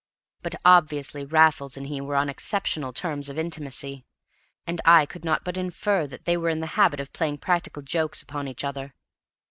But obviously Raffles and he were on exceptional terms of intimacy, and I could not but infer that they were in the habit of playing practical jokes upon each other.